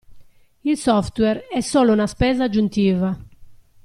Il software è solo una spesa aggiuntiva.